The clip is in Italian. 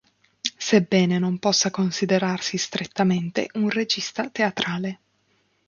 Sebbene non possa considerarsi strettamente un regista teatrale,